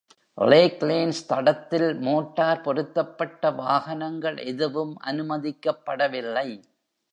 Lakelands தடத்தில் motor பொருத்தப்பட்ட வாகனங்கள் எதுவும் அனுமதிக்கப்படவில்லை.